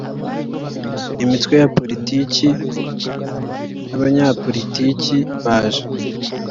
imitwe ya politiki n abanyapolitiki baje